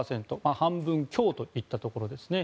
半分強といったところですね。